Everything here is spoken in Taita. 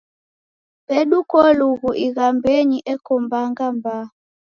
Pedu kolughu ighambenyi eko mbanga mbaa.